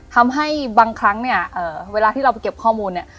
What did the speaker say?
ทำให้บางครั้งเนี่ยเวลาที่เราไปเก็บข้อมูลเนี่ย